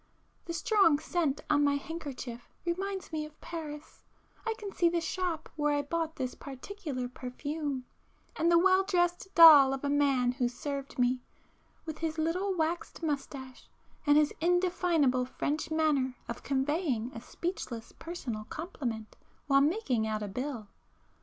The strong scent on my handkerchief reminds me of Paris—I can see the shop where I bought this particular perfume, and the well dressed [p 419] doll of a man who served me, with his little waxed moustache, and his indefinable French manner of conveying a speechless personal compliment while making out a bill....